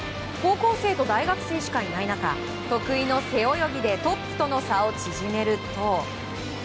高校生と大学生しかいない中得意の背泳ぎでトップとの差を縮めると。